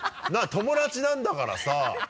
友達なんだからさ。